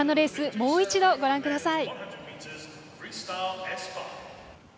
もう一度、ご覧ください。